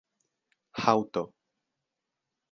haŭto